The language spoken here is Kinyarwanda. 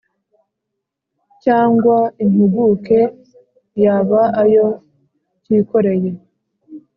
cyangwa impuguke yaba ayo kikoreye